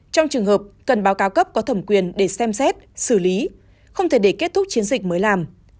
trong trường hợp cần báo cáo cấp có thẩm quyền để xem xét xử lý không thể để kết thúc chiến dịch mới làm